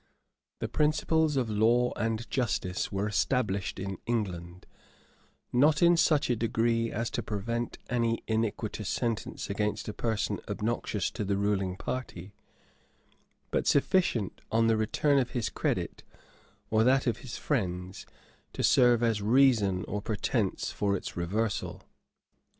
[] The principles of law and justice were established in England, not in such a degree as to prevent any iniquitous sentence against a person obnoxious to the ruling party; but sufficient, on the return of his credit, or that of his friends, to serve as a reason or pretence for its reversal.